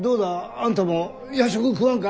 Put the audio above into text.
あんたも夜食食わんか？